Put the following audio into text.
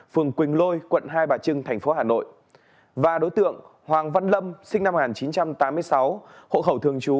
phường quỳnh lôi quận hai bà trưng tp hà nội và đối tượng hoàng văn lâm sinh năm một nghìn chín trăm tám mươi sáu hộ khẩu thường trú